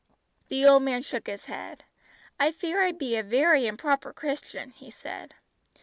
The old man shook his head. "I fear I be a very improper Christian," he said.